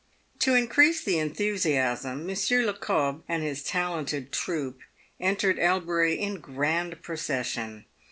To increase the enthusiasm, Monsieur Le Cobbe and his talented troupe entered Elbury in grand procession.